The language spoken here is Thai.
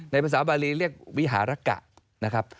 ในภาษาบาลีเรียกวิหารักกะ